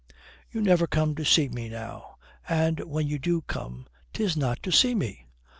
"You never come to see me now. And when you do come, 'tis not to see me."